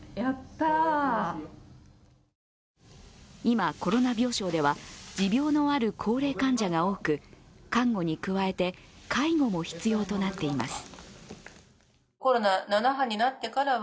今、コロナ病床では持病のある高齢患者が多く看護に加えて、介護も必要となっています。